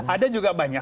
ada juga banyak